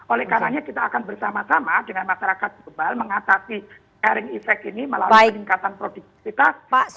oleh karena kita akan bersama sama dengan masyarakat global mengatasi carring effect ini melalui peningkatan produktivitas